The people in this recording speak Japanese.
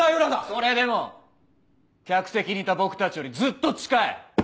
それでも客席にいた僕たちよりずっと近い！